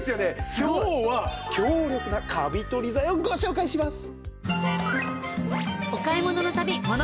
今日は強力なカビ取り剤をご紹介します。